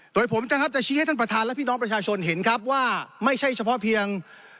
โดยผมนะครับจะชี้ให้ท่านประธานและพี่น้องประชาชนเห็นครับว่าไม่ใช่เฉพาะเพียง